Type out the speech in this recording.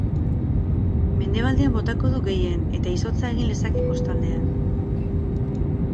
Mendebaldean botako du gehien, eta izotza egin lezake kostaldean.